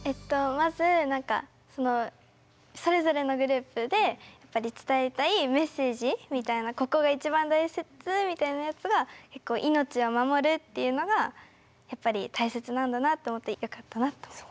まず何かそのそれぞれのグループで伝えたいメッセージみたいなここが一番大切みたいなやつが命を守るっていうのがやっぱり大切なんだなと思ってよかったなと思います。